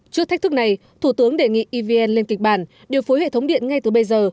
trước thách thức này thủ tướng đề nghị evn lên kịch bản điều phối hệ thống điện ngay từ bây giờ